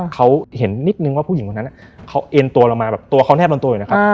เขาเห็นนิดนึงว่าผู้หญิงคนนั้นเขาเอ็นตัวเรามาแบบตัวเขาแบนตัวอยู่นะครับ